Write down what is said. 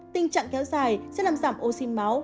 tình trạng kéo dài sẽ làm giảm oxy máu